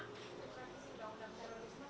polisi berharap lebih